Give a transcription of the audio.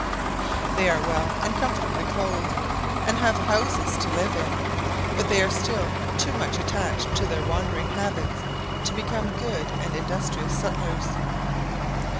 They are well and comfortably clothed, and have houses to live in. But they are still too much attached to their wandering habits to become good and industrious settlers.